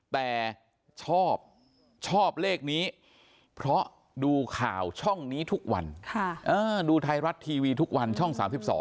แต่ชอบชอบเลขนี้เพราะดูข่าวช่องนี้ทุกวันดูไทยรัฐทีวีทุกวันช่อง๓๒